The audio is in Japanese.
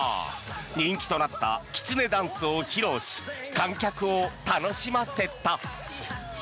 人気となったキツネダンスを披露し観客を楽しませた。